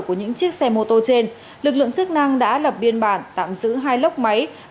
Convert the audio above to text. của những chiếc xe mô tô trên lực lượng chức năng đã lập biên bản tạm giữ hai lốc máy